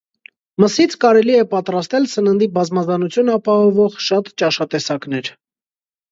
Մսից կարելի է պատրաստել սննդի բազմազանություն ապահովող շատ ճաշատեսակներ։